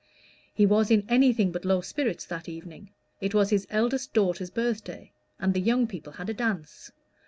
He was in anything but low spirits that evening. It was his eldest daughter's birthday, and the young people had a dance.